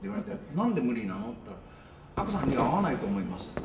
「なんで無理なの？」って言ったら「アッコさんには合わないと思います」って。